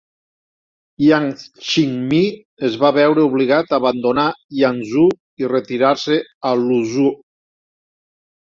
Yang Xingmi es va veure obligat a abandonar Yangzhou i retirar-se a Luzhou.